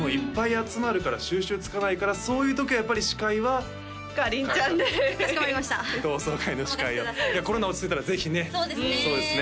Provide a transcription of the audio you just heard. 集まるから収集つかないからそういうときはやっぱり司会はかりんちゃんでかしこまりました同窓会の司会をいやコロナ落ち着いたらぜひねそうですね